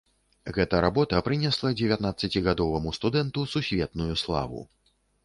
Гэта работа прынесла дзевятнаццацігадоваму студэнту сусветную славу.